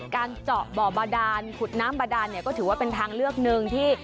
การเจาะบ่อบาดานขุดน้ำบาดานเนี่ยก็ถือว่าเป็นทางเลือกหนึ่งที่